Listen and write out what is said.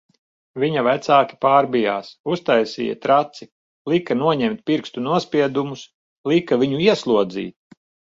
Viņa vecāki pārbijās, uztaisīja traci, lika noņemt pirkstu nospiedumus, lika viņu ieslodzīt...